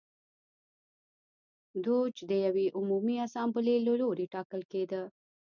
دوج د یوې عمومي اسامبلې له لوري ټاکل کېده.